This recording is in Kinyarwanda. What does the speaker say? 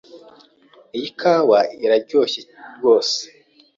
Iyi kawa iraryoshye rwose.